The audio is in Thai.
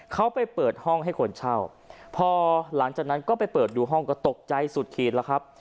เขาไปเปิดห้องให้คนเช่าพอหลังจากนั้นก็ไปเปิดดูห้องก็ตกใจสุดขีดแล้วครับ